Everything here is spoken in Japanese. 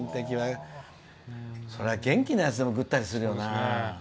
それは元気なやつでもぐったりするよな。